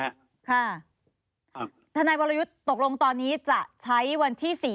ค่ะครับทนายวรยุทธ์ตกลงตอนนี้จะใช้วันที่สี่